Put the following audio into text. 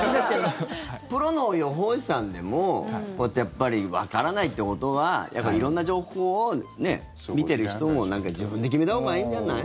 プロの予報士さんでもわからないっていうことは色んな情報を見てる人も自分で決めたほうがいいんじゃない？